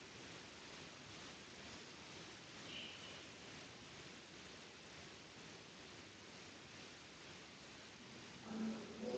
Abakazi bavuga emmotoka ezebbeeyi.